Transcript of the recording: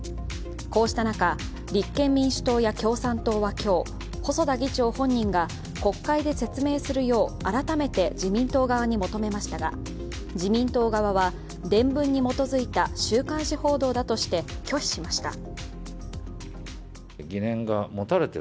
こうした中、立憲民主党や共産党は今日、細田議長本人が国会で説明するよう改めて自民党側に求めましたが、自民党側は伝聞に基づいた週刊誌報道だとして拒否しました。